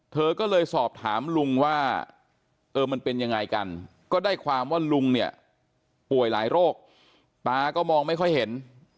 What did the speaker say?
เธอก็เลยสอบถามลุงว่าเออมันเป็นยังไงกันก็ได้ความว่าลุงเนี่ยป่วยหลายโรคตาก็มองไม่ค่อยเห็น